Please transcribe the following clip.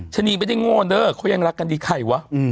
ชะนีไม่ได้โง่เด้อเขายังรักกันดีใครวะ